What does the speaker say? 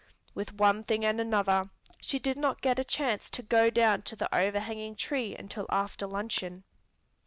With one thing and another, she did not get a chance to go down to the overhanging tree until after luncheon.